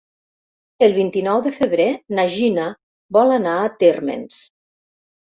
El vint-i-nou de febrer na Gina vol anar a Térmens.